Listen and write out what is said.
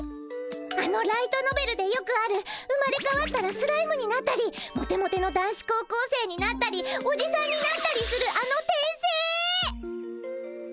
あのライトノベルでよくある生まれかわったらスライムになったりモテモテの男子高校生になったりおじさんになったりするあの転生！？